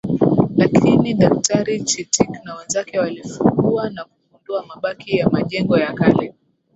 lakini Daktari Chittick na wenzake walifukua na kugundua mabaki ya majengo ya kale